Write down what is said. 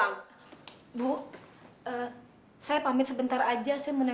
aku turut meminta pemanah dan kekayaan